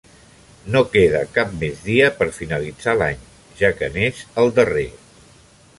No queda cap més dia per finalitzar l'any, ja que n'és el darrer.